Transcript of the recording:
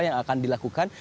yang akan dilakukan